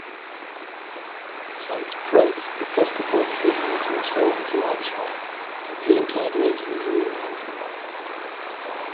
Since prince-episcopal sees were so influential, competing candidates usually ran for them.